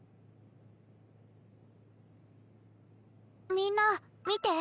みんな見て。